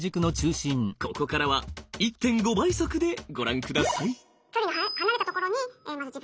ここからは１．５倍速でご覧ください。